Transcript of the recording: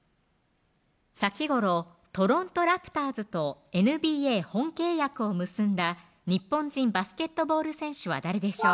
先頃トロント・ラプターズとＮＢＡ本契約を結んだ日本人バスケットボール選手は誰でしょう